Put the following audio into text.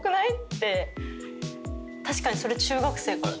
何⁉確かにそれ中学生から。